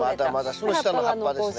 その下の葉っぱですね。